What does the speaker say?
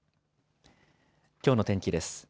きょうの天気です。